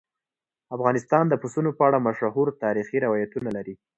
افغانستان د پسونو په اړه مشهور تاریخي روایتونه لري.